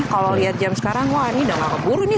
kalau lihat jam sekarang wah ini udah gak keburu nih